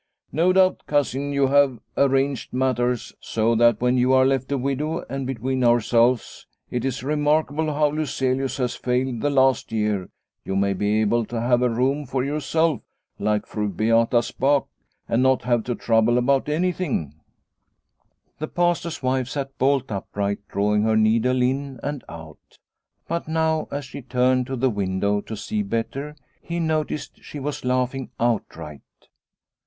No doubt, Cousin, you have arranged matters so that when you are left a widow and between ourselves it is remarkable how Lyselius has failed the last year you may be able to have a room for yourself like Fru 180 Liliecrona's Home Beata Spaak and not have to trouble about anything/' The Pastor's wife sat bolt upright, drawing her needle in and out. But now as she turned to the window to see better, he noticed she was laughing outright.